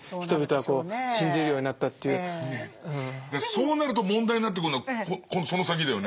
そうなると問題になってくるのはその先だよね。